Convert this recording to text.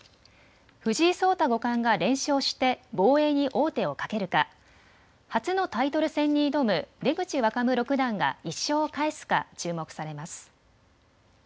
藤井聡太五冠が連勝して防衛に王手をかけるか初のタイトル戦にに挑む出口若武六段が１勝を返すか注目されます。